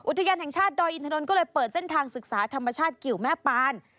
อุทยานแห่งชาติดอยอินทนนท์ก็เลยเปิดเส้นทางศึกษาธรรมชาติกิวแม่ปาน